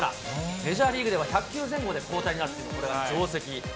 メジャーリーグでは１００球前後で交代になるというのがこれは定石。